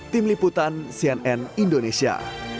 tim liputan cnn indonesia